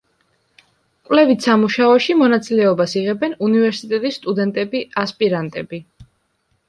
კვლევით სამუშაოში მონაწილეობას იღებენ უნივერსიტეტის სტუდენტები, ასპირანტები.